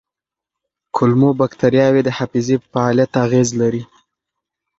کولمو بکتریاوې د حافظې په فعالیت اغېز لري.